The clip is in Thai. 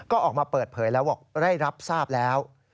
ก็ออกมาเปิดเผยแล้วบอกได้รับทราบแล้ว